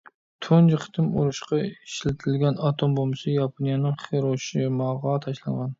تۇنجى قېتىم ئۇرۇشقا ئىشلىتىلگەن ئاتوم بومبىسى ياپونىيەنىڭ خىروشىماغا تاشلانغان.